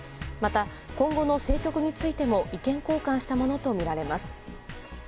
また、今後の政局についても意見交換したものとみられます。